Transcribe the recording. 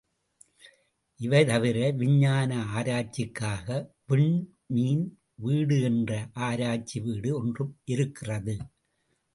இவை தவிர, விஞ்ஞான ஆராய்ச்சிக்காக விண் மீன் வீடு என்ற ஆராய்ச்சி வீடு ஒன்றும் இருக்கிறது.